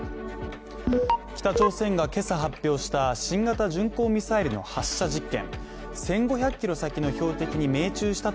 北朝鮮が今朝発表した新型巡航ミサイルの発射実験。